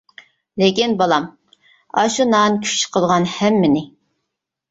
لېكىن بالام، ئاشۇ نان كۈچلۈك قىلغان ھەممىنى.